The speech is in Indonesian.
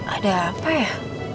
ada apa ya